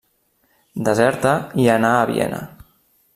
Deserta i anà a Viena.